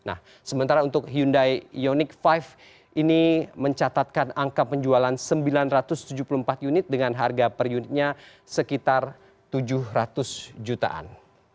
nah sementara untuk hyundai ioniq lima ini mencatatkan angka penjualan sembilan ratus tujuh puluh empat unit dengan harga per unitnya sekitar tujuh ratus jutaan